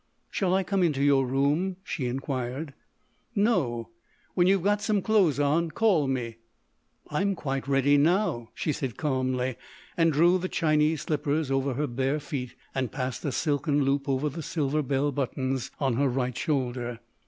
"Shall I come into your room?" she inquired. "No!... when you've got some clothes on, call me." "I'm quite ready now," she said calmly, and drew the Chinese slippers over her bare feet and passed a silken loop over the silver bell buttons on her right shoulder.